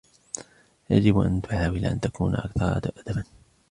يجب أن تحاول أن تكون أكثر أدباً.